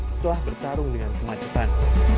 setelah bertarung dengan kemacetan